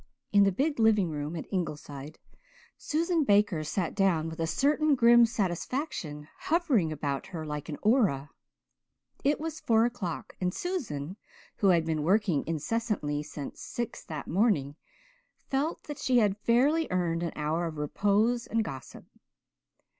In the big living room at Ingleside Susan Baker sat down with a certain grim satisfaction hovering about her like an aura; it was four o'clock and Susan, who had been working incessantly since six that morning, felt that she had fairly earned an hour of repose and gossip.